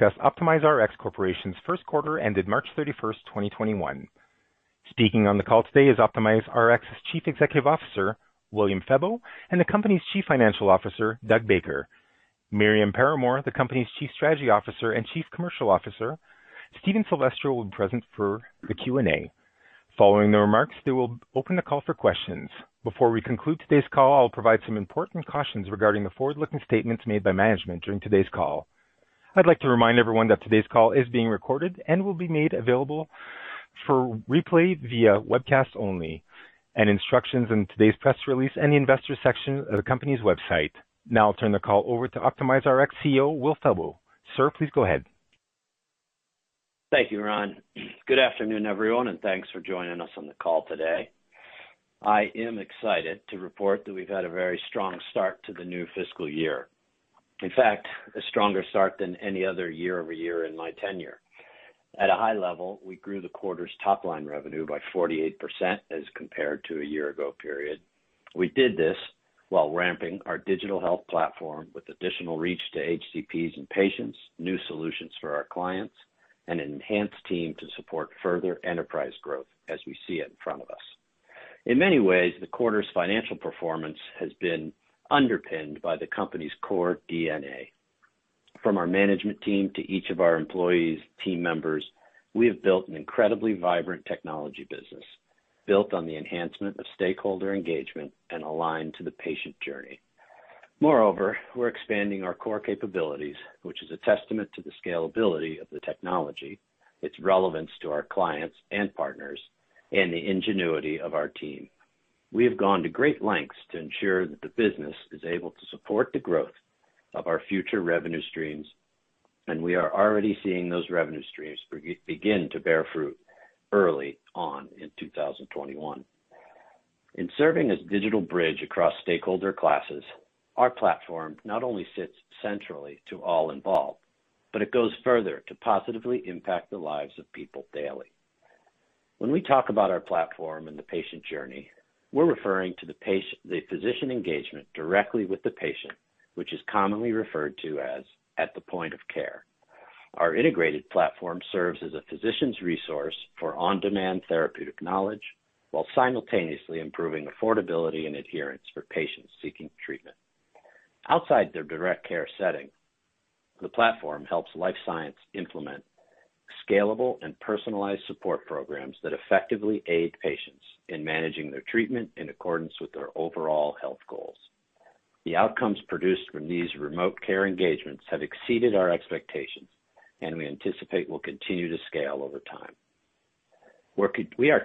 Discuss OptimizeRx Corporation's first quarter ended March 31st, 2021. Speaking on the call today is OptimizeRx's Chief Executive Officer, William Febbo, and the company's Chief Financial Officer, Doug Baker. Miriam Paramore, the company's Chief Strategy Officer and Chief Commercial Officer, Steve Silvestro, will be present for the Q&A. Following the remarks, they will open the call for questions. Before we conclude today's call, I'll provide some important cautions regarding the forward-looking statements made by management during today's call. I'd like to remind everyone that today's call is being recorded and will be made available for replay via webcast only, and instructions in today's press release in the investors section of the company's website. Now I'll turn the call over to OptimizeRx CEO, Will Febbo. Sir, please go ahead. Thank you, Ron. Good afternoon, everyone, thanks for joining us on the call today. I am excited to report that we've had a very strong start to the new fiscal year. In fact, a stronger start than any other year-over-year in my tenure. At a high level, we grew the quarter's top-line revenue by 48% as compared to a year ago period. We did this while ramping our digital health platform with additional reach to HCPs and patients, new solutions for our clients, and an enhanced team to support further enterprise growth as we see it in front of us. In many ways, the quarter's financial performance has been underpinned by the company's core DNA. From our management team to each of our employees, team members, we have built an incredibly vibrant technology business. Built on the enhancement of stakeholder engagement and aligned to the patient journey. We're expanding our core capabilities, which is a testament to the scalability of the technology, its relevance to our clients and partners, and the ingenuity of our team. We have gone to great lengths to ensure that the business is able to support the growth of our future revenue streams, and we are already seeing those revenue streams begin to bear fruit early on in 2021. In serving as digital bridge across stakeholder classes, our platform not only sits centrally to all involved, but it goes further to positively impact the lives of people daily. When we talk about our platform and the patient journey, we're referring to the physician engagement directly with the patient, which is commonly referred to as at the point-of-care. Our integrated platform serves as a physician's resource for on-demand therapeutic knowledge, while simultaneously improving affordability and adherence for patients seeking treatment. Outside their direct care setting, the platform helps life science implement scalable and personalized support programs that effectively aid patients in managing their treatment in accordance with their overall health goals. The outcomes produced from these remote care engagements have exceeded our expectations and we anticipate will continue to scale over time. We are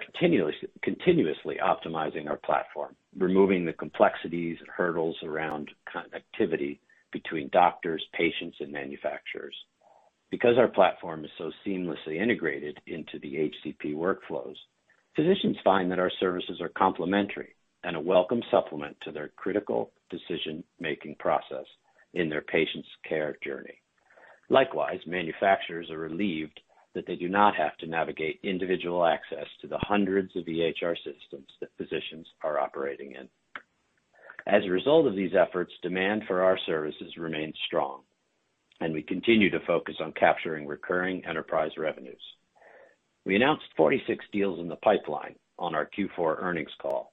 continuously optimizing our platform, removing the complexities and hurdles around connectivity between doctors, patients, and manufacturers. Because our platform is so seamlessly integrated into the HCP workflows, physicians find that our services are complementary and a welcome supplement to their critical decision-making process in their patients' care journey. Likewise, manufacturers are relieved that they do not have to navigate individual access to the hundreds of EHR systems that physicians are operating in. As a result of these efforts, demand for our services remains strong, and we continue to focus on capturing recurring enterprise revenues. We announced 46 deals in the pipeline on our Q4 earnings call.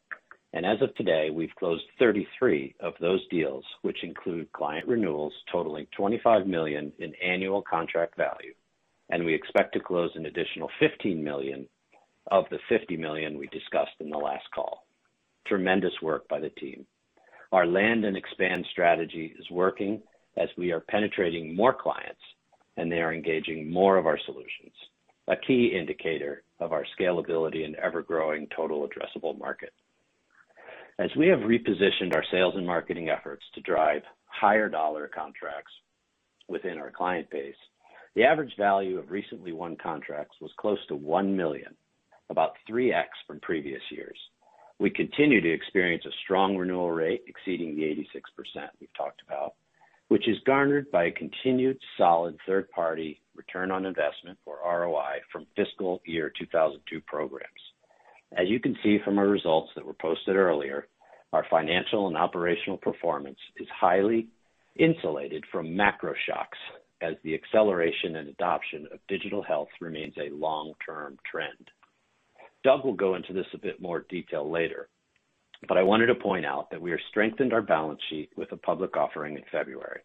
As of today, we've closed 33 of those deals, which include client renewals totaling $25 million in annual contract value. We expect to close an additional $15 million of the $50 million we discussed in the last call. Tremendous work by the team. Our land and expand strategy is working as we are penetrating more clients and they are engaging more of our solutions, a key indicator of our scalability and ever-growing total addressable market. As we have repositioned our sales and marketing efforts to drive higher dollar contracts within our client base, the average value of recently won contracts was close to $1 million, about 3X from previous years. We continue to experience a strong renewal rate exceeding the 86% we've talked about, which is garnered by a continued solid third-party return on investment or ROI from fiscal year 2020 programs. You can see from our results that were posted earlier, our financial and operational performance is highly insulated from macro shocks as the acceleration and adoption of digital health remains a long-term trend. Doug will go into this a bit more detail later, but I wanted to point out that we have strengthened our balance sheet with a public offering in February.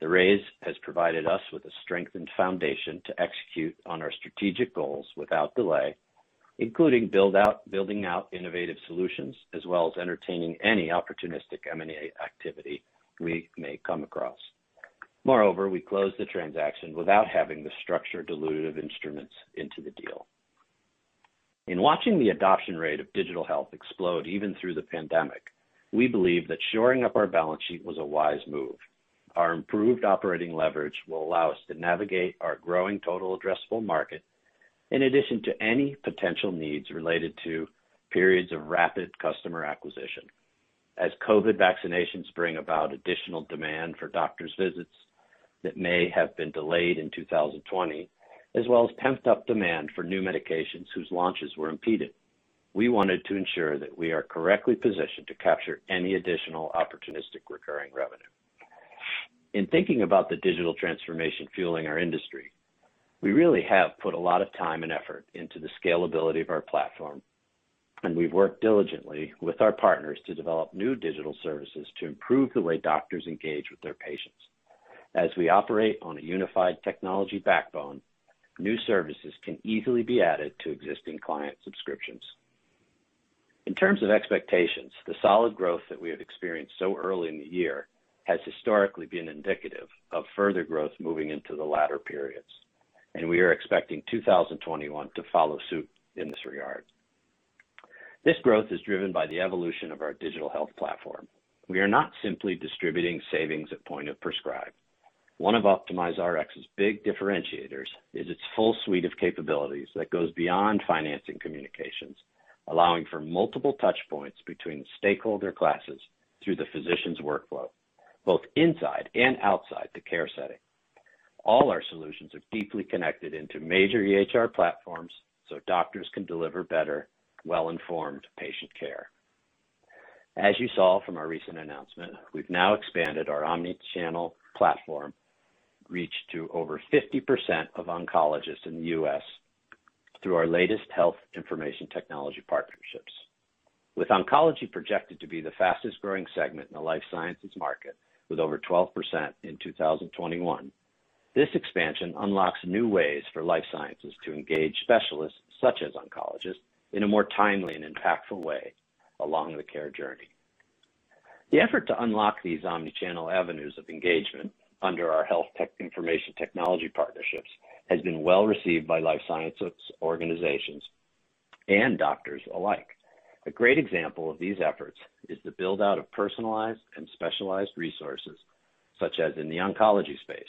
The raise has provided us with a strengthened foundation to execute on our strategic goals without delay, including building out innovative solutions, as well as entertaining any opportunistic M&A activity we may come across. We closed the transaction without having the structure dilutive instruments into the deal. In watching the adoption rate of digital health explode even through the pandemic, we believe that shoring up our balance sheet was a wise move. Our improved operating leverage will allow us to navigate our growing total addressable market in addition to any potential needs related to periods of rapid customer acquisition. As COVID vaccinations bring about additional demand for doctor's visits that may have been delayed in 2020, as well as pent-up demand for new medications whose launches were impeded. We wanted to ensure that we are correctly positioned to capture any additional opportunistic recurring revenue. In thinking about the digital transformation fueling our industry, we really have put a lot of time and effort into the scalability of our platform, and we've worked diligently with our partners to develop new digital services to improve the way doctors engage with their patients. As we operate on a unified technology backbone, new services can easily be added to existing client subscriptions. In terms of expectations, the solid growth that we have experienced so early in the year has historically been indicative of further growth moving into the latter periods, and we are expecting 2021 to follow suit in this regard. This growth is driven by the evolution of our digital health platform. We are not simply distributing savings at point of prescribe. One of OptimizeRx's big differentiators is its full suite of capabilities that goes beyond financing communications, allowing for multiple touch points between the stakeholder classes through the physician's workflow, both inside and outside the care setting. All our solutions are deeply connected into major EHR platforms so doctors can deliver better, well-informed patient care. As you saw from our recent announcement, we've now expanded our omnichannel platform reach to over 50% of oncologists in the U.S. through our latest health information technology partnerships. With oncology projected to be the fastest-growing segment in the life sciences market with over 12% in 2021, this expansion unlocks new ways for life sciences to engage specialists such as oncologists in a more timely and impactful way along the care journey. The effort to unlock these omnichannel avenues of engagement under our health information technology partnerships has been well received by life sciences organizations and doctors alike. A great example of these efforts is the build-out of personalized and specialized resources, such as in the oncology space.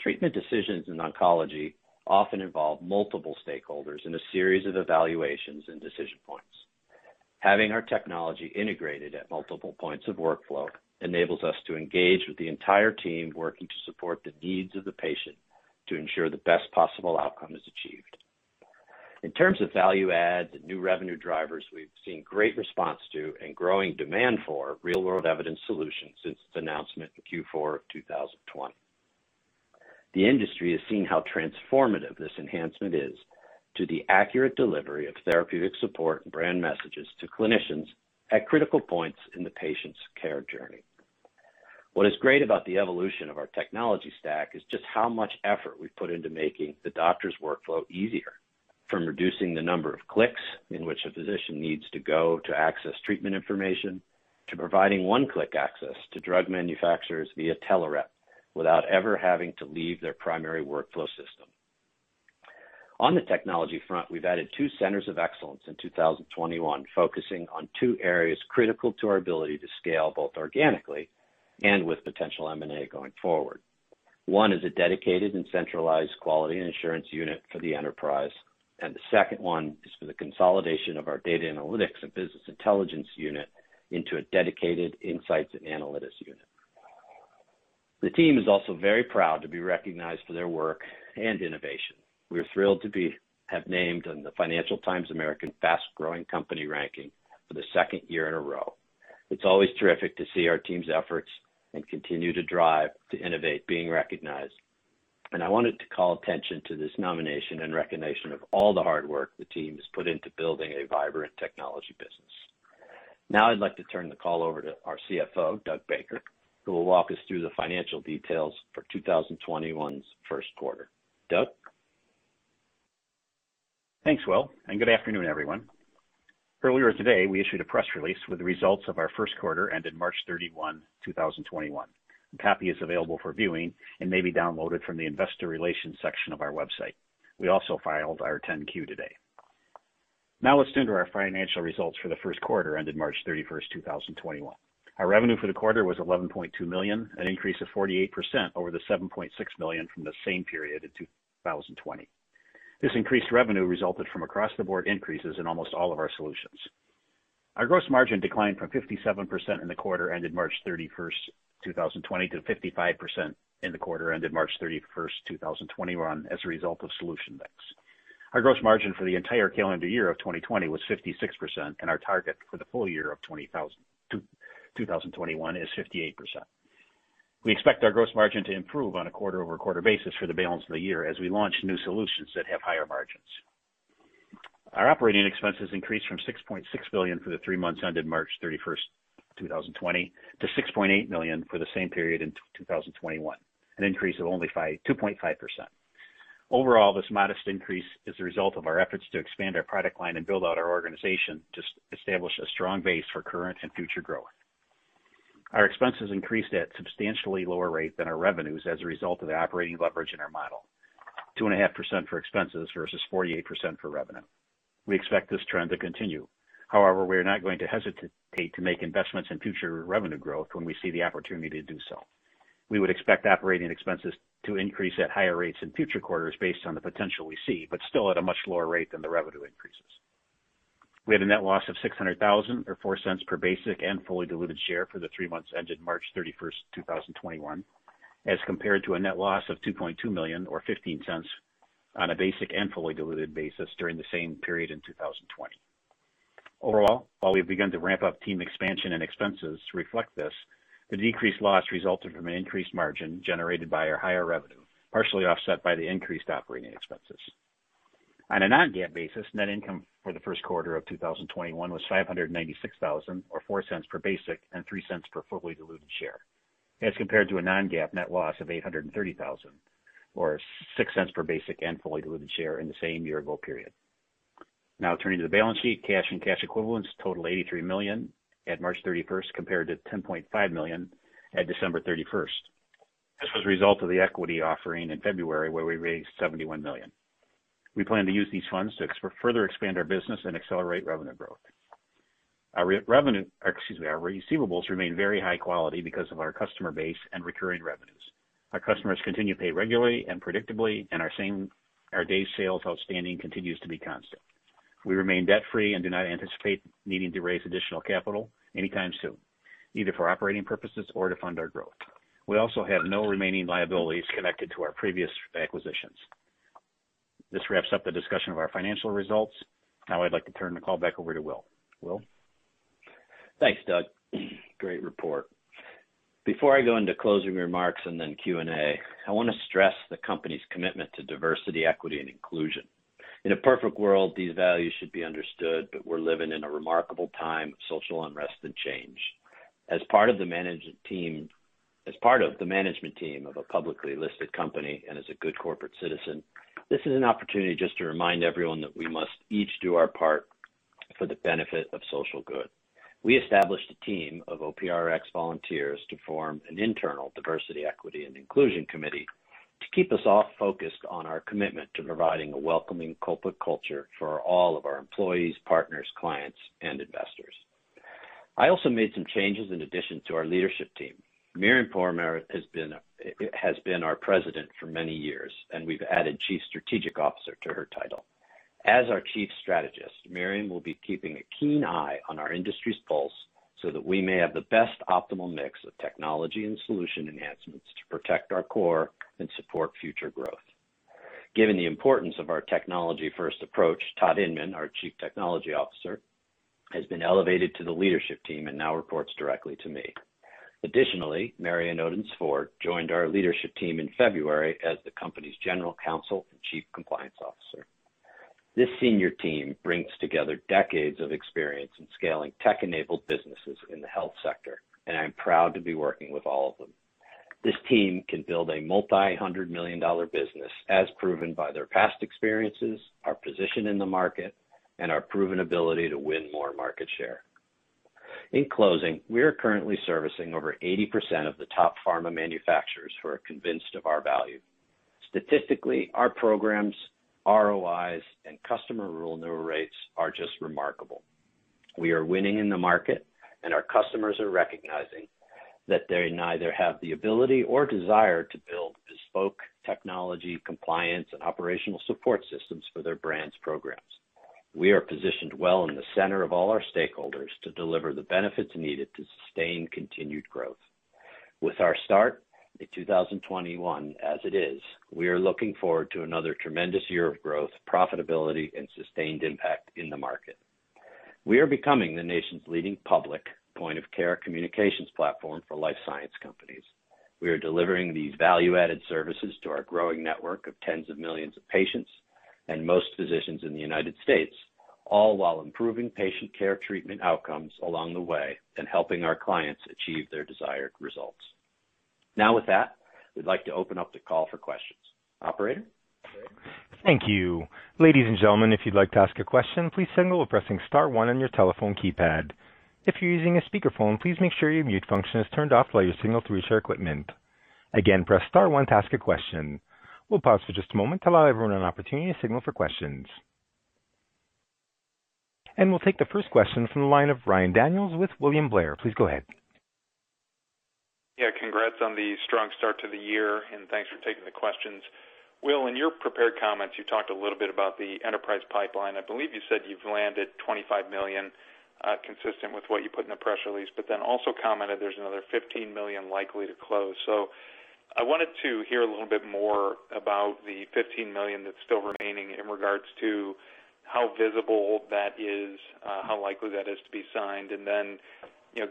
Treatment decisions in oncology often involve multiple stakeholders in a series of evaluations and decision points. Having our technology integrated at multiple points of workflow enables us to engage with the entire team working to support the needs of the patient to ensure the best possible outcome is achieved. In terms of value add and new revenue drivers, we've seen great response to and growing demand for Real-world evidence solutions since its announcement in Q4 of 2020. The industry is seeing how transformative this enhancement is to the accurate delivery of therapeutic support and brand messages to clinicians at critical points in the patient's care journey. What is great about the evolution of our technology stack is just how much effort we put into making the doctor's workflow easier. From reducing the number of clicks in which a physician needs to go to access treatment information, to providing one-click access to drug manufacturers via TelaRep, without ever having to leave their primary workflow system. On the technology front, we've added two centers of excellence in 2021, focusing on two areas critical to our ability to scale, both organically and with potential M&A going forward. One is a dedicated and centralized quality and assurance unit for the enterprise. The second one is for the consolidation of our data analytics and business intelligence unit into a dedicated insights and analytics unit. The team is also very proud to be recognized for their work and innovation. We are thrilled to have been named in the Financial Times American Fast Growing Company ranking for the second year in a row. It's always terrific to see our team's efforts and continued drive to innovate being recognized. I wanted to call attention to this nomination in recognition of all the hard work the team has put into building a vibrant technology business. I'd like to turn the call over to our CFO, Doug Baker, who will walk us through the financial details for 2021's first quarter. Doug? Thanks, Will, and good afternoon, everyone. Earlier today, we issued a press release with the results of our first quarter ended March 31, 2021. A copy is available for viewing and may be downloaded from the investor relations section of our website. We also filed our 10-Q today. Now let's turn to our financial results for the first quarter ended March 31st, 2021. Our revenue for the quarter was $11.2 million, an increase of 48% over the $7.6 million from the same period in 2020. This increased revenue resulted from across the board increases in almost all of our solutions. Our gross margin declined from 57% in the quarter ended March 31st, 2020 to 55% in the quarter ended March 31st, 2021 as a result of solution mix. Our gross margin for the entire calendar year of 2020 was 56%, and our target for the full year of 2021 is 58%. We expect our gross margin to improve on a quarter-over-quarter basis for the balance of the year as we launch new solutions that have higher margins. Our operating expenses increased from $6.6 million for the three months ended March 31st, 2020 to $6.8 million for the same period in 2021, an increase of only 2.5%. Overall, this modest increase is the result of our efforts to expand our product line and build out our organization to establish a strong base for current and future growth. Our expenses increased at a substantially lower rate than our revenues as a result of the operating leverage in our model, 2.5% for expenses versus 48% for revenue. We expect this trend to continue. We are not going to hesitate to make investments in future revenue growth when we see the opportunity to do so. We would expect operating expenses to increase at higher rates in future quarters based on the potential we see, but still at a much lower rate than the revenue increases. We had a net loss of $600,000 or $0.04 per basic and fully diluted share for the three months ended March 31, 2021. As compared to a net loss of $2.2 million, or $0.15, on a basic and fully diluted basis during the same period in 2020. While we've begun to ramp up team expansion and expenses to reflect this, the decreased loss resulted from an increased margin generated by our higher revenue, partially offset by the increased operating expenses. On a non-GAAP basis, net income for the first quarter of 2021 was $596,000, or $0.04 per basic, and $0.03 per fully diluted share, as compared to a non-GAAP net loss of $830,000, or $0.06 per basic and fully diluted share in the same year ago period. Turning to the balance sheet, cash and cash equivalents total $83 million at March 31st, compared to $10.5 million at December 31st. This was a result of the equity offering in February, where we raised $71 million. We plan to use these funds to further expand our business and accelerate revenue growth. Our receivables remain very high quality because of our customer base and recurring revenues. Our customers continue to pay regularly and predictably, and our day sales outstanding continues to be constant. We remain debt-free and do not anticipate needing to raise additional capital anytime soon, either for operating purposes or to fund our growth. We also have no remaining liabilities connected to our previous acquisitions. This wraps up the discussion of our financial results. Now, I'd like to turn the call back over to Will. Will? Thanks, Doug. Great report. Before I go into closing remarks and then Q&A, I want to stress the company's commitment to diversity, equity, and inclusion. In a perfect world, these values should be understood, but we're living in a remarkable time of social unrest and change. As part of the management team of a publicly listed company and as a good corporate citizen, this is an opportunity just to remind everyone that we must each do our part for the benefit of social good. We established a team of OPRX volunteers to form an internal diversity, equity, and inclusion committee to keep us all focused on our commitment to providing a welcoming corporate culture for all of our employees, partners, clients, and investors. I also made some changes in addition to our leadership team. Miriam Paramore has been our President for many years, and we've added Chief Strategic Officer to her title. As our Chief Strategist, Miriam will be keeping a keen eye on our industry's pulse so that we may have the best optimal mix of technology and solution enhancements to protect our core and support future growth. Given the importance of our technology-first approach, Todd Inman, our Chief Technology Officer, has been elevated to the leadership team and now reports directly to me. Additionally, Marion Odence-Ford joined our leadership team in February as the company's General Counsel and Chief Compliance Officer. This senior team brings together decades of experience in scaling tech-enabled businesses in the health sector, and I'm proud to be working with all of them. This team can build a multi-hundred-million-dollar business, as proven by their past experiences, our position in the market, and our proven ability to win more market share. In closing, we are currently servicing over 80% of the top pharma manufacturers who are convinced of our value. Statistically, our programs, ROIs, and customer renewal rates are just remarkable. We are winning in the market, and our customers are recognizing that they neither have the ability or desire to build bespoke technology, compliance, and operational support systems for their brands programs. We are positioned well in the center of all our stakeholders to deliver the benefits needed to sustain continued growth. With our start in 2021 as it is, we are looking forward to another tremendous year of growth, profitability, and sustained impact in the market. We are becoming the nation's leading public point-of-care communications platform for life science companies. We are delivering these value-added services to our growing network of tens of millions of patients and most physicians in the United States, all while improving patient care treatment outcomes along the way and helping our clients achieve their desired results. Now with that, we'd like to open up the call for questions. Operator? Thank you. Ladies and gentlemen, if you'd like to ask a question, please signal by pressing star one on your telephone keypad. If you're using a speakerphone, please make sure your mute function is turned off while using your signal to reach our equipment. Again, press star one 08888;to ask a question. We'll pause for just a moment to allow everyone an opportunity to signal for questions. We'll take the first question from the line of Ryan Daniels with William Blair. Please go ahead. Yeah. Congrats on the strong start to the year, thanks for taking the questions. Will, in your prepared comments, you talked a little bit about the enterprise pipeline. I believe you said you've landed $25 million, consistent with what you put in the press release, also commented there's another $15 million likely to close. I wanted to hear a little bit more about the $15 million that's still remaining in regards to how visible that is, how likely that is to be signed,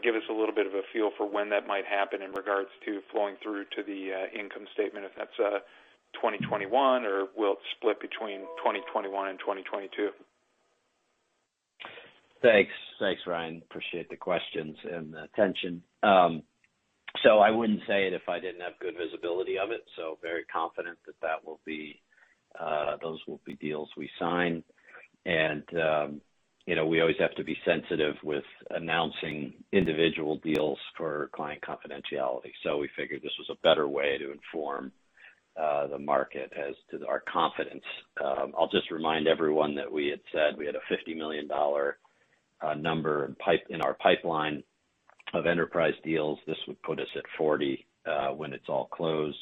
give us a little bit of a feel for when that might happen in regards to flowing through to the income statement, if that's 2021, or will it split between 2021 and 2022? Thanks. Thanks, Ryan. Appreciate the questions and the attention. I wouldn't say it if I didn't have good visibility of it. Very confident that those will be deals we sign. We always have to be sensitive with announcing individual deals for client confidentiality. We figured this was a better way to inform the market as to our confidence. I'll just remind everyone that we had said we had a $50 million number in our pipeline of enterprise deals. This would put us at 40 when it's all closed.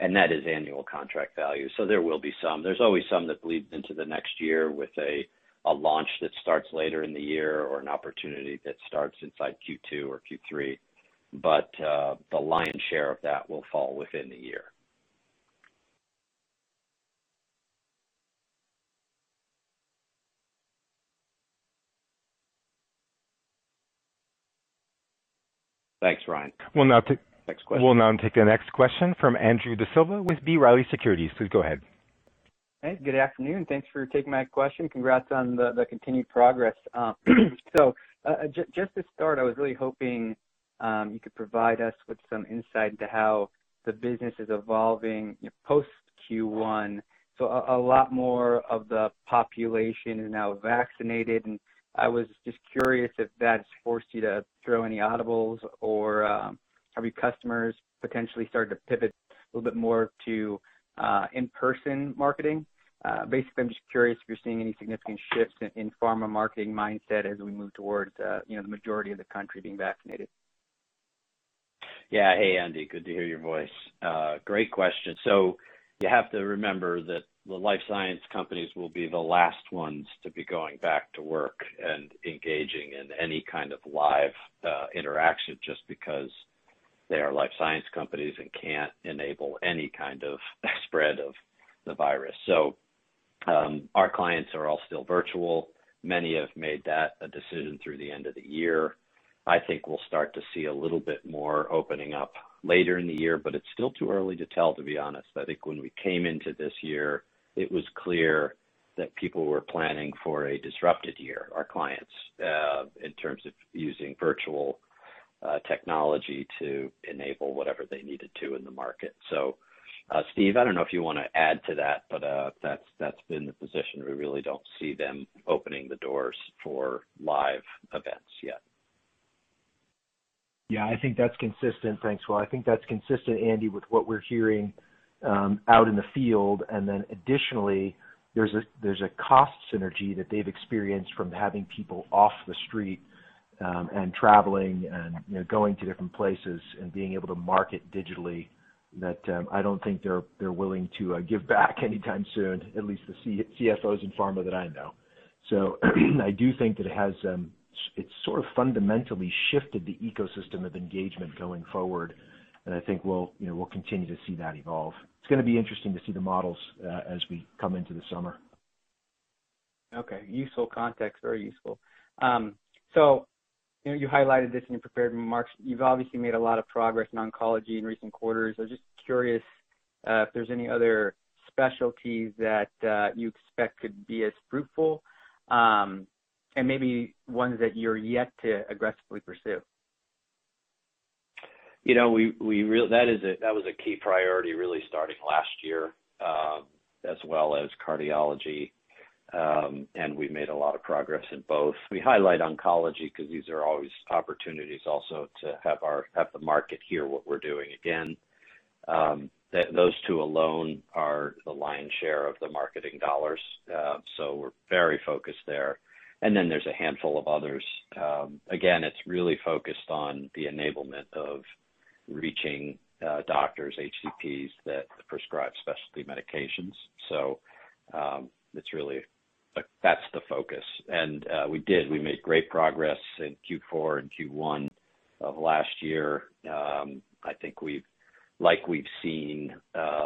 That is annual contract value. There will be some. There's always some that bleeds into the next year with a launch that starts later in the year or an opportunity that starts inside Q2 or Q3. The lion's share of that will fall within the year. Thanks, Ryan. We'll now take- Next question. We'll now take the next question from Andrew D'Silva with B. Riley Securities. Please go ahead. Hey, good afternoon. Thanks for taking my question. Congrats on the continued progress. Just to start, I was really hoping you could provide us with some insight into how the business is evolving post Q1. A lot more of the population is now vaccinated, and I was just curious if that's forced you to throw any audibles or have your customers potentially started to pivot a little bit more to in-person marketing? Basically, I'm just curious if you're seeing any significant shifts in pharma marketing mindset as we move towards the majority of the country being vaccinated. Hey, Andy, good to hear your voice. Great question. You have to remember that the life science companies will be the last ones to be going back to work and engaging in any kind of live interaction just because they are life science companies and can't enable any kind of spread of the virus. Our clients are all still virtual. Many have made that a decision through the end of the year. I think we'll start to see a little bit more opening up later in the year, but it's still too early to tell, to be honest. I think when we came into this year, it was clear that people were planning for a disrupted year, our clients, in terms of using virtual technology to enable whatever they needed to in the market. Steve, I don't know if you want to add to that, but that's been the position. We really don't see them opening the doors for live events yet. Yeah, I think that's consistent. Thanks, Will. I think that's consistent, Andy, with what we're hearing out in the field. Additionally, there's a cost synergy that they've experienced from having people off the street and traveling and going to different places and being able to market digitally that I don't think they're willing to give back anytime soon, at least the CFOs in pharma that I know. I do think that it's sort of fundamentally shifted the ecosystem of engagement going forward, and I think we'll continue to see that evolve. It's going to be interesting to see the models as we come into the summer. Okay. Useful context. Very useful. You highlighted this in your prepared remarks. You've obviously made a lot of progress in oncology in recent quarters. I was just curious if there's any other specialties that you expect could be as fruitful, and maybe ones that you're yet to aggressively pursue. That was a key priority really starting last year, as well as cardiology. We've made a lot of progress in both. We highlight oncology because these are always opportunities also to have the market hear what we're doing. Again, those two alone are the lion's share of the marketing dollars. We're very focused there. Then there's a handful of others. Again, it's really focused on the enablement of reaching doctors, HCPs that prescribe specialty medications. That's the focus. We did, we made great progress in Q4 and Q1 of last year. I think we've seen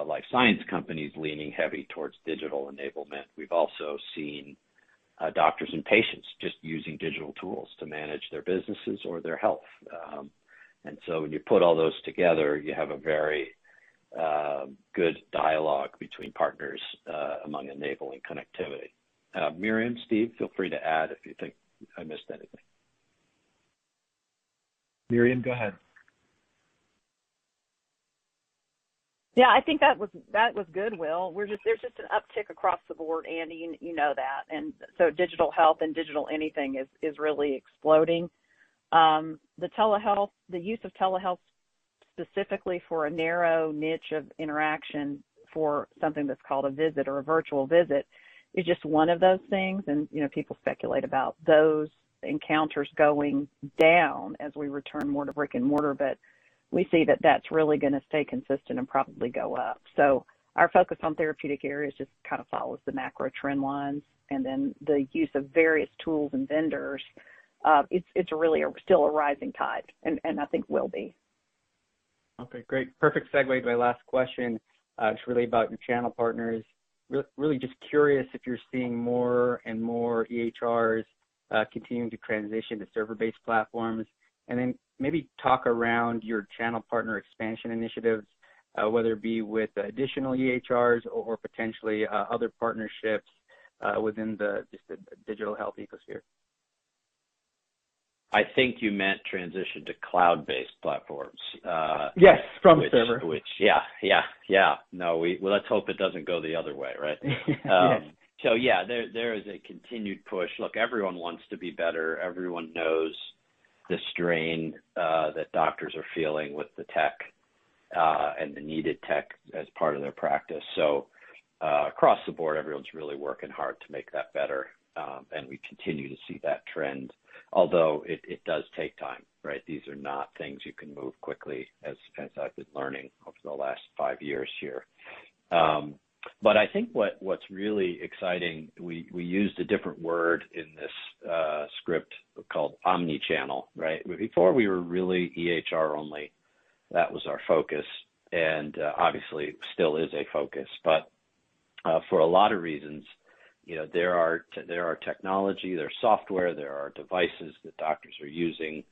life science companies leaning heavy towards digital enablement. We've also seen doctors and patients just using digital tools to manage their businesses or their health. When you put all those together, you have a very good dialogue between partners among enabling connectivity. Miriam, Steve, feel free to add if you think I missed anything. Miriam, go ahead. Yeah, I think that was good, Will. There's just an uptick across the board, Andy, and you know that. Digital health and digital anything is really exploding. The use of telehealth specifically for a narrow niche of interaction for something that's called a visit or a virtual visit is just one of those things. People speculate about those encounters going down as we return more to brick and mortar, but we see that that's really going to stay consistent and probably go up. Our focus on therapeutic areas just kind of follows the macro trend lines and then the use of various tools and vendors. It's really still a rising tide and I think will be. Okay, great. Perfect segue to my last question. It's really about your channel partners. Really just curious if you're seeing more and more EHRs continuing to transition to server-based platforms. Maybe talk around your channel partner expansion initiatives, whether it be with additional EHRs or potentially other partnerships within just the digital health ecosystem. I think you meant transition to cloud-based platforms. Yes, from server. Yeah. No, let's hope it doesn't go the other way, right? Yes. Yeah, there is a continued push. Look, everyone wants to be better. Everyone knows the strain that doctors are feeling with the tech, and the needed tech as part of their practice. Across the board, everyone's really working hard to make that better, and we continue to see that trend, although it does take time, right? These are not things you can move quickly, as I've been learning over the last five years here. I think what's really exciting, we used a different word in this script called omnichannel, right? Before we were really EHR only. That was our focus and obviously still is a focus. For a lot of reasons, there are technology, there are software, there are devices that doctors are using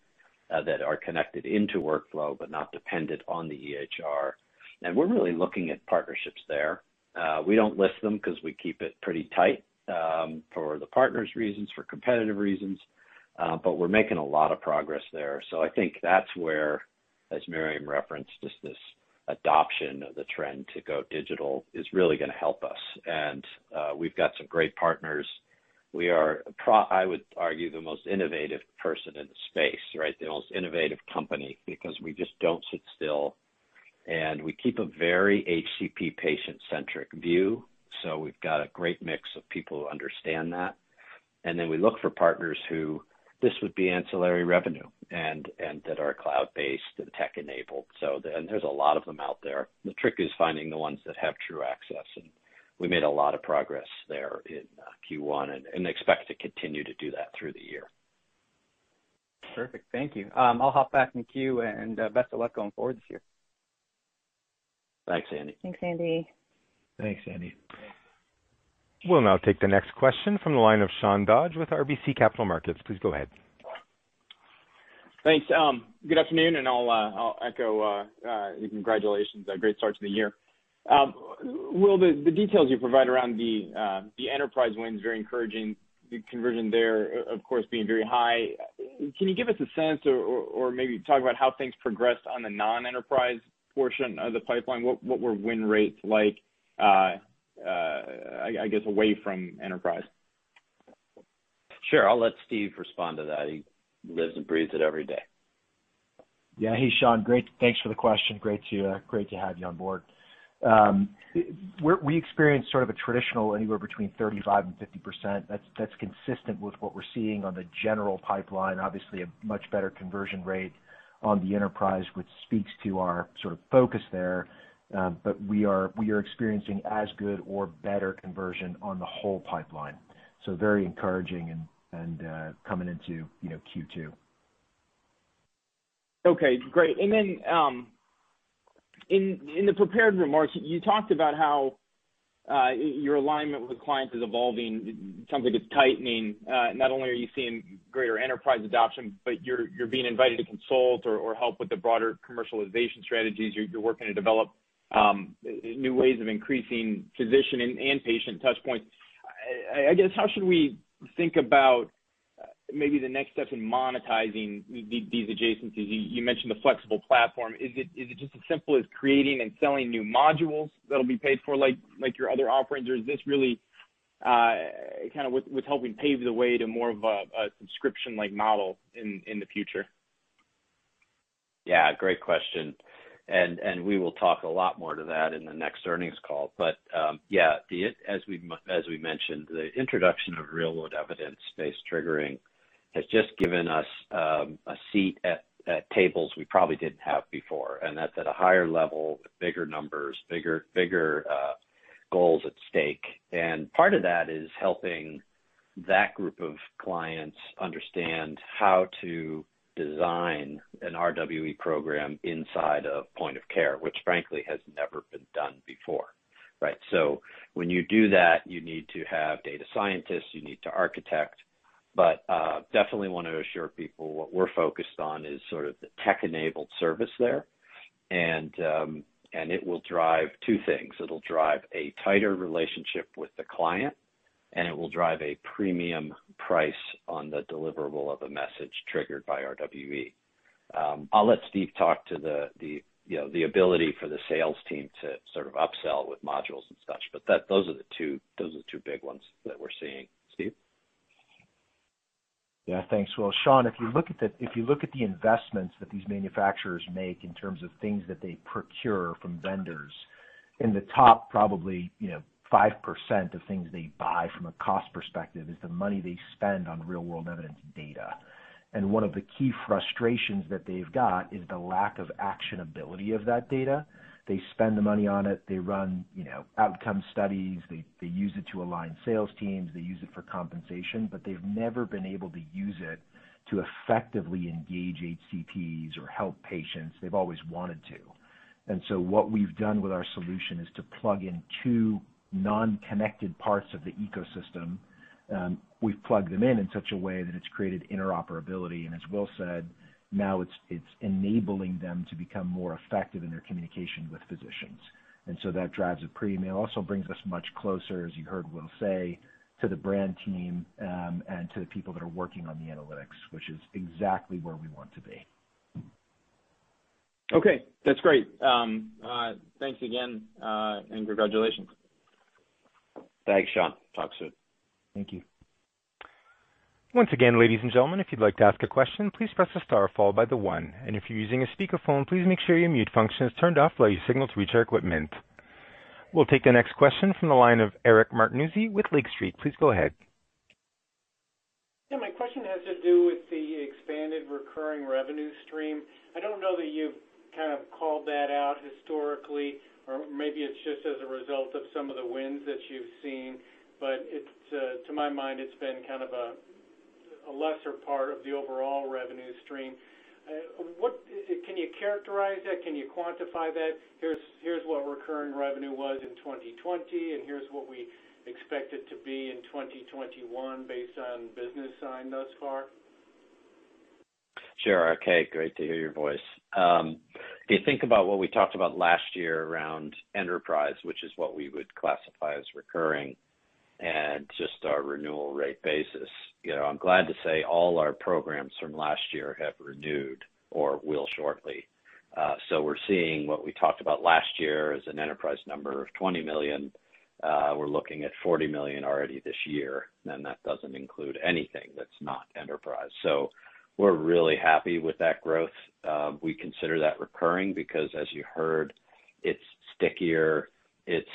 that are connected into workflow, but not dependent on the EHR. We're really looking at partnerships there. We don't list them because we keep it pretty tight for the partners reasons, for competitive reasons, but we're making a lot of progress there. I think that's where, as Miriam referenced, just this adoption of the trend to go digital is really going to help us. We've got some great partners. We are, I would argue, the most innovative person in the space, right? The most innovative company, because we just don't sit still, and we keep a very HCP patient-centric view. We've got a great mix of people who understand that. We look for partners who this would be ancillary revenue and that are cloud-based and tech-enabled. There's a lot of them out there. The trick is finding the ones that have true access, and we made a lot of progress there in Q1 and expect to continue to do that through the year. Perfect. Thank you. I'll hop back in the queue and best of luck going forward this year. Thanks, Andy. Thanks, Andy. Thanks, Andy. We'll now take the next question from the line of Sean Dodge with RBC Capital Markets. Please go ahead. Thanks. Good afternoon, and I'll echo the congratulations. Great start to the year. Will, the details you provide around the enterprise win is very encouraging. The conversion there, of course, being very high. Can you give us a sense or maybe talk about how things progressed on the non-enterprise portion of the pipeline? What were win rates like I guess away from enterprise? Sure. I'll let Steve respond to that. He lives and breathes it every day. Yeah. Hey, Sean. Great. Thanks for the question. Great to have you on board. We experienced sort of a traditional anywhere between 35% and 50%. That's consistent with what we're seeing on the general pipeline. Obviously, a much better conversion rate on the enterprise, which speaks to our sort of focus there. We are experiencing as good or better conversion on the whole pipeline. Very encouraging and coming into Q2. Okay, great. In the prepared remarks, you talked about how your alignment with clients is evolving. It sounds like it's tightening. Not only are you seeing greater enterprise adoption, but you're being invited to consult or help with the broader commercialization strategies. You're working to develop new ways of increasing physician and patient touch points. I guess, how should we think about maybe the next steps in monetizing these adjacencies? You mentioned the flexible platform. Is it just as simple as creating and selling new modules that'll be paid for, like your other offerings? Or is this really with helping pave the way to more of a subscription-like model in the future? Yeah, great question, and we will talk a lot more to that in the next earnings call. Yeah, as we mentioned, the introduction of Real-world evidence-based triggering has just given us a seat at tables we probably didn't have before, and that's at a higher level with bigger numbers, bigger goals at stake. Part of that is helping that group of clients understand how to design an RWE program inside of point-of-care, which frankly has never been done before, right? When you do that, you need to have data scientists, you need to architect. Definitely want to assure people what we're focused on is sort of the tech-enabled service there, and it will drive two things. It'll drive a tighter relationship with the client, and it will drive a premium price on the deliverable of a message triggered by RWE. I'll let Steve talk to the ability for the sales team to sort of upsell with modules and such, but those are the two big ones that we're seeing. Steve? Yeah, thanks. Well, Sean, if you look at the investments that these manufacturers make in terms of things that they procure from vendors, in the top probably 5% of things they buy from a cost perspective is the money they spend on real-world evidence data. One of the key frustrations that they've got is the lack of actionability of that data. They spend the money on it. They run outcome studies. They use it to align sales teams. They use it for compensation. They've never been able to use it to effectively engage HCPs or help patients. They've always wanted to. What we've done with our solution is to plug in two non-connected parts of the ecosystem. We've plugged them in in such a way that it's created interoperability, and as Will said, now it's enabling them to become more effective in their communication with physicians. That drives a premium. It also brings us much closer, as you heard Will say, to the brand team and to the people that are working on the analytics, which is exactly where we want to be. Okay, that's great. Thanks again and congratulations. Thanks, Sean. Talk soon. Thank you. Once again, ladies and gentlemen, if you'd like to ask a question, please press the star followed by the one. If you're using a speakerphone, please make sure your mute function is turned off to allow your signal to reach our equipment. We'll take the next question from the line of Eric Martinuzzi with Lake Street. Please go ahead. Yeah, my question has to do with the expanded recurring revenue stream. I don't know that you've kind of called that out historically, or maybe it's just as a result of some of the wins that you've seen, but to my mind, it's been kind of a lesser part of the overall revenue stream. Can you characterize that? Can you quantify that? Here's what recurring revenue was in 2020, and here's what we expect it to be in 2021 based on business signed thus far. Sure. Okay, great to hear your voice. If you think about what we talked about last year around enterprise, which is what we would classify as recurring and just our renewal rate basis. I'm glad to say all our programs from last year have renewed or will shortly. We're seeing what we talked about last year as an enterprise number of $20 million. We're looking at $40 million already this year, and that doesn't include anything that's not enterprise. We're really happy with that growth. We consider that recurring because as you heard, it's stickier, it's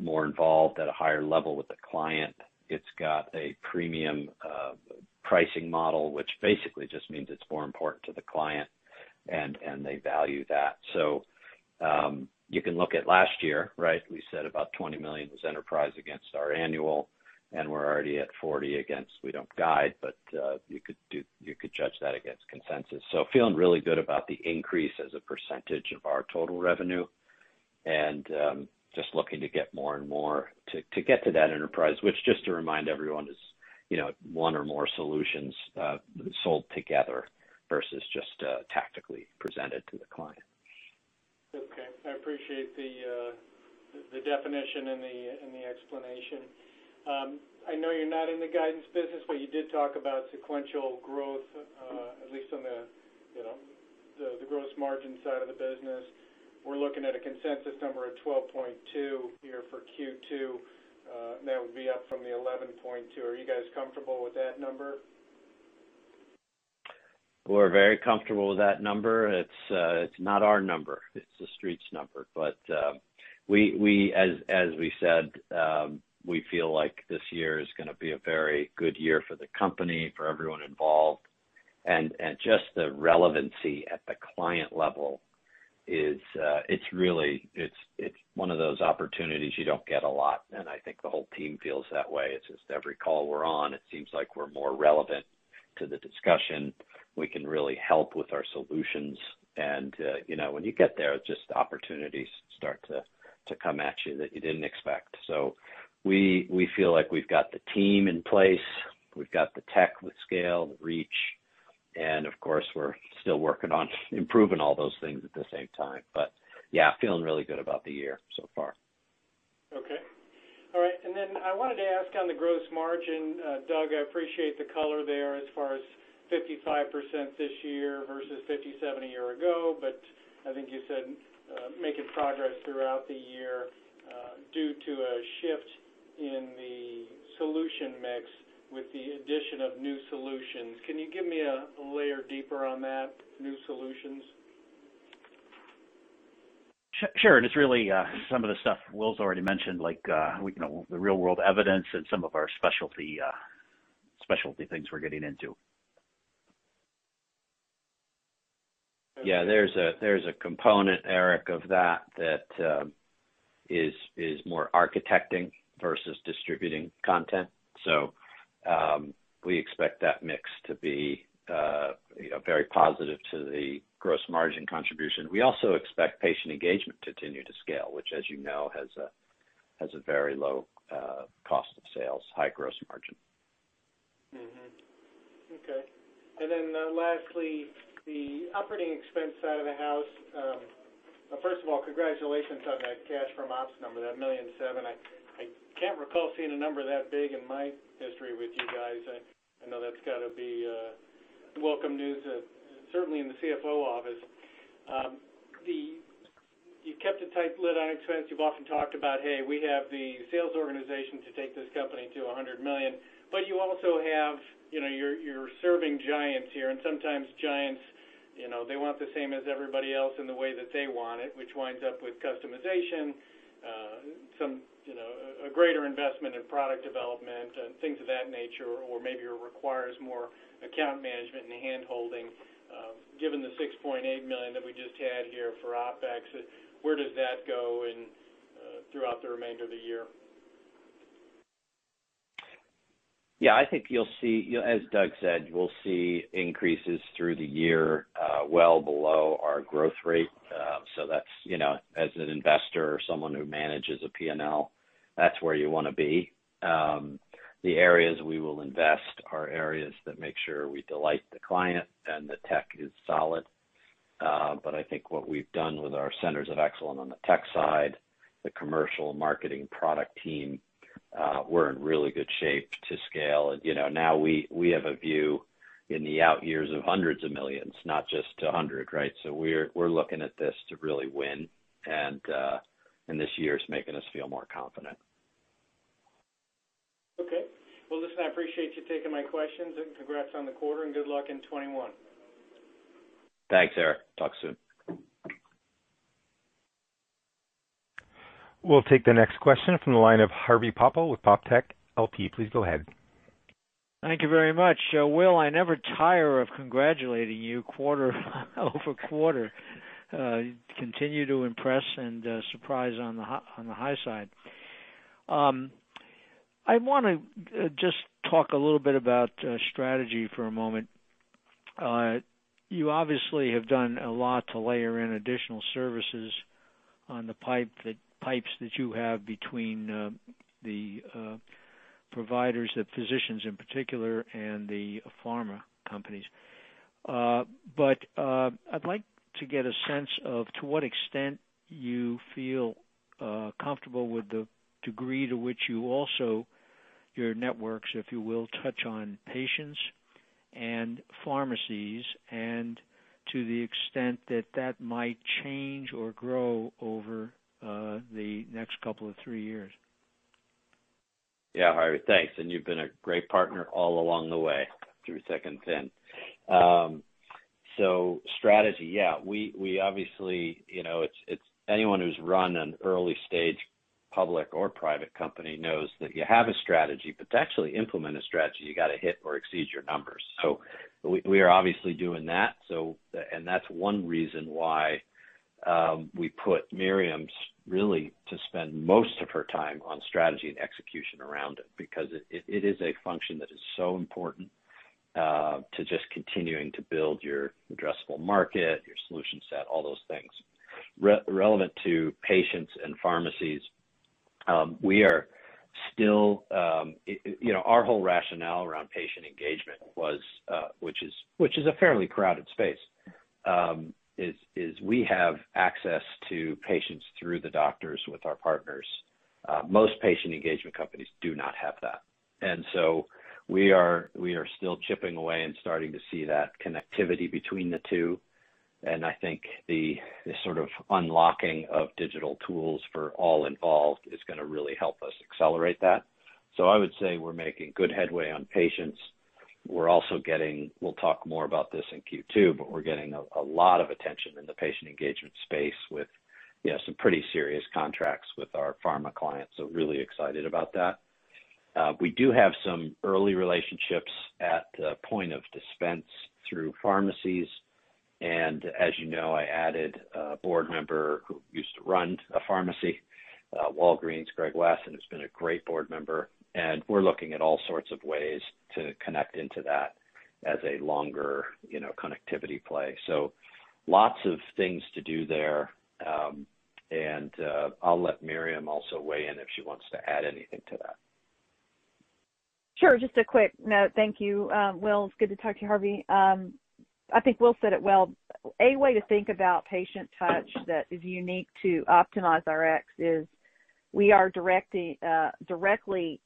more involved at a higher level with the client. It's got a premium pricing model, which basically just means it's more important to the client and they value that. You can look at last year, right? We said about $20 million was enterprise against our annual, and we're already at $40 million against. We don't guide, but you could judge that against consensus. Feeling really good about the increase as a percentage of our total revenue and just looking to get more and more to get to that enterprise, which just to remind everyone is one or more solutions sold together versus just tactically presented to the client. Okay. I appreciate the definition and the explanation. I know you're not in the guidance business, you did talk about sequential growth, at least on the gross margin side of the business. We're looking at a consensus number of 12.2% here for Q2. That would be up from the 11.2%. Are you guys comfortable with that number? We're very comfortable with that number. It's not our number, it's the Street's number. As we said, we feel like this year is going to be a very good year for the company, for everyone involved. Just the relevancy at the client level is one of those opportunities you don't get a lot, and I think the whole team feels that way. It's just every call we're on, it seems like we're more relevant to the discussion. We can really help with our solutions. When you get there, just opportunities start to come at you that you didn't expect. We feel like we've got the team in place, we've got the tech with scale, the reach, and of course, we're still working on improving all those things at the same time. Yeah, feeling really good about the year so far. Okay. All right. I wanted to ask on the gross margin. Doug, I appreciate the color there as far as 55% this year versus 57% a year ago. I think you said making progress throughout the year due to a shift in the solution mix with the addition of new solutions. Can you give me a layer deeper on that, new solutions? Sure. It's really some of the stuff Will's already mentioned, like the Real-world evidence and some of our specialty things we're getting into. There's a component, Eric, of that that is more architecting versus distributing content. We expect that mix to be very positive to the gross margin contribution. We also expect patient engagement to continue to scale, which as you know, has a very low cost of sales, high gross margin. Mm-hmm. Okay. Lastly, the operating expense side of the house. First of all, congratulations on that cash from ops number, that $1.7 million. I can't recall seeing a number that big in my history with you guys. I know that's got to be welcome news, certainly in the CFO office. You've kept a tight lid on expense. You've often talked about, "Hey, we have the sales organization to take this company to $100 million." You also have your serving giants here, and sometimes giants, they want the same as everybody else in the way that they want it, which winds up with customization, a greater investment in product development, and things of that nature. Maybe it requires more account management and handholding. Given the $6.8 million that we just had here for OpEx, where does that go throughout the remainder of the year? Yeah, I think as Doug said, we'll see increases through the year well below our growth rate. As an investor or someone who manages a P&L, that's where you want to be. The areas we will invest are areas that make sure we delight the client and the tech is solid. I think what we've done with our centers of excellence on the tech side, the commercial marketing product team, we're in really good shape to scale. We have a view in the out years of hundreds of millions, not just $100, right? We're looking at this to really win, and this year is making us feel more confident. Well, listen, I appreciate you taking my questions, and congrats on the quarter, and good luck in 2021. Thanks, Eric. Talk soon. We'll take the next question from the line of Harvey Poppel with PopTech LP. Please go ahead. Thank you very much. Will, I never tire of congratulating you quarter-over-quarter. You continue to impress and surprise on the high side. I want to just talk a little bit about strategy for a moment. You obviously have done a lot to layer in additional services on the pipes that you have between the providers, the physicians in particular, and the pharma companies. I'd like to get a sense of to what extent you feel comfortable with the degree to which you also, your networks, if you will, touch on patients and pharmacies, and to the extent that that might change or grow over the next couple of three years. Yeah. Harvey Poppel, thanks. You've been a great partner all along the way through Second Ten. Strategy, yeah. Anyone who's run an early stage public or private company knows that you have a strategy, but to actually implement a strategy, you got to hit or exceed your numbers. We are obviously doing that, and that's one reason why we put Miriam really to spend most of her time on strategy and execution around it, because it is a function that is so important to just continuing to build your addressable market, your solution set, all those things. Relevant to patients and pharmacies, our whole rationale around patient engagement, which is a fairly crowded space, is we have access to patients through the doctors with our partners. Most patient engagement companies do not have that. We are still chipping away and starting to see that connectivity between the two, and I think the sort of unlocking of digital tools for all involved is going to really help us accelerate that. I would say we're making good headway on patients. We'll talk more about this in Q2, but we're getting a lot of attention in the patient engagement space with some pretty serious contracts with our pharma clients. Really excited about that. We do have some early relationships at point of dispense through pharmacies, and as you know, I added a board member who used to run a pharmacy, Walgreens, Greg Wasson, and has been a great board member, and we're looking at all sorts of ways to connect into that as a longer connectivity play. Lots of things to do there. I'll let Miriam also weigh in if she wants to add anything to that. Sure. Just a quick note. Thank you, Will. It's good to talk to you, Harvey Poppel. I think Will said it well. A way to think about patient touch that is unique to OptimizeRx is we are directly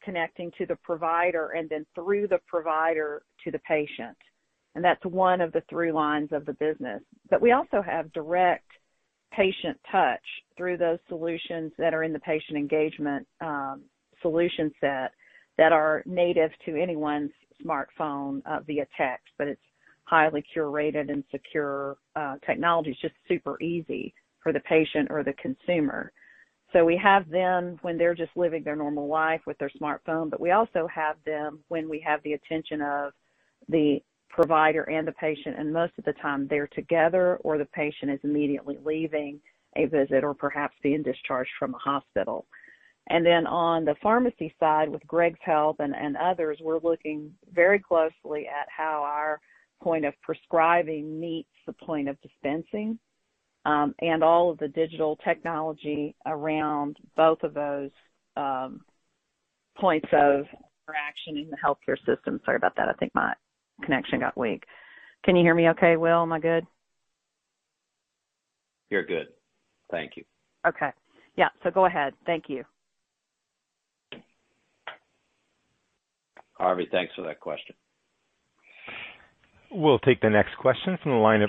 connecting to the provider and then through the provider to the patient, and that's one of the three lines of the business. We also have direct patient touch through those solutions that are in the patient engagement solution set that are native to anyone's smartphone via text, but it's highly curated and secure technology. It's just super easy for the patient or the consumer. We have them when they're just living their normal life with their smartphone, but we also have them when we have the attention of the provider and the patient, and most of the time they're together or the patient is immediately leaving a visit or perhaps being discharged from a hospital. On the pharmacy side, with Greg's help and others, we're looking very closely at how our point of prescribing meets the point of dispensing and all of the digital technology around both of those points of interaction in the healthcare system. Sorry about that. I think my connection got weak. Can you hear me okay, Will? Am I good? You're good. Thank you. Okay. Yeah. Go ahead. Thank you. Harvey, thanks for that question. We'll take the next question from the line of.